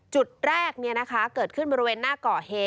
จุดแรกเกิดขึ้นบริเวณหน้าเกาะเฮ